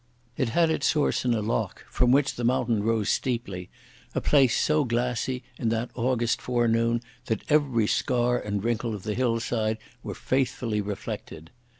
It had its source in a loch, from which the mountain rose steeply—a place so glassy in that August forenoon that every scar and wrinkle of the hillside were faithfully reflected.